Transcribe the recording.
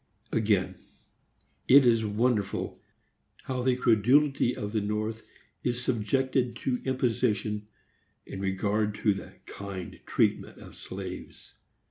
Again: it is wonderful how the credulity of the North is subjected to imposition in regard to the kind treatment of slaves.